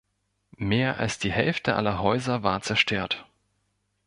Mehr als die Hälfte aller Häuser war zerstört.